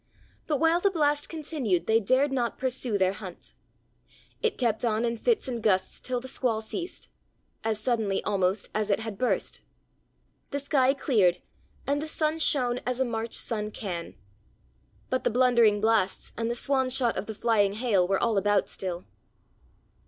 But while the blast continued they dared not pursue their hunt. It kept on in fits and gusts till the squall ceased as suddenly almost as it had burst. The sky cleared, and the sun shone as a March sun can. But the blundering blasts and the swan shot of the flying hail were all about still.